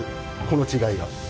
この違いが。